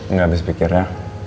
enggak habis pikirnya